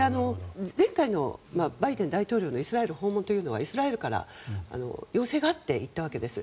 前回のバイデン大統領のイスラエル訪問というのはイスラエルから要請があって行ったわけです。